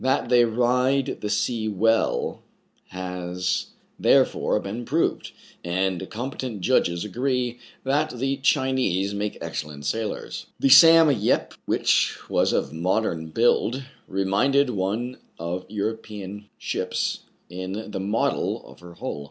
That they ride the sea well has therefore been proved ; and competent judges agree that the Chi nese make excellent sailors. The "Sam Yep,'* which was of modern build, reminded one of European ships in the model of her hull.